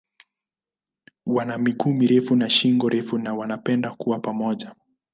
Wana miguu mirefu na shingo refu na wanapenda kuwa pamoja.